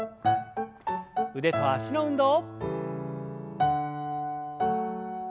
腕と脚の運動。